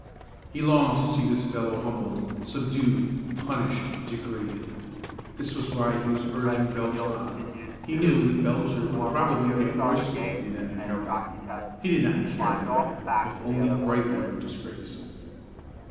He longed to see this fellow humbled, subdued, punished, degraded. This was why he was urging Belcher on. He knew that Belcher would probably get worsted in an encounter; he did not care for that if only Brightly were disgraced.